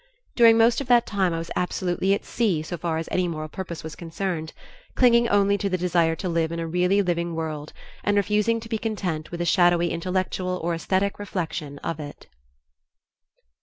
During most of that time I was absolutely at sea so far as any moral purpose was concerned, clinging only to the desire to live in a really living world and refusing to be content with a shadowy intellectual or aesthetic reflection of it.